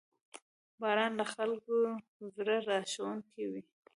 • باران د خلکو زړه راښکونکی وي.